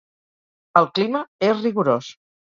El clima és rigorós.